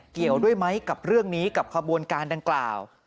เกี่ยวด้วยไหมกับเรื่องนี้กับขบวนการดังกล่าว